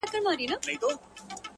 بيا کرار ،کرار د بت و خواته گوري،